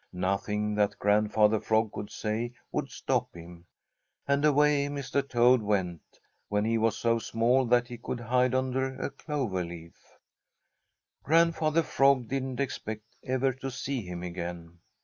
Nothing that Grandfather Frog could say would stop him, and away Mr. Toad went, when he was so small that he could hide under a clover leaf. Grandfather Frog didn't expect ever to see him again.